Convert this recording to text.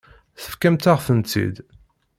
Tefkamt-aɣ-tent-id.